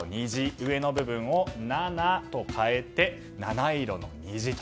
上の部分を７と変えて「七色のにじ」と。